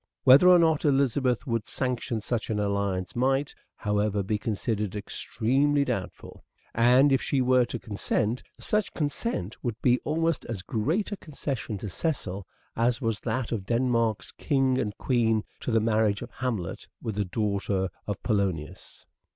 Whether or not Elizabeth would sanction such an alliance might, however, be considered extremely doubtful ; and if she were to consent, such consent would be almost as great a concession to Cecil as was that of Denmark's King and Queen to the marriage of Hamlet with the daughter of Polonius.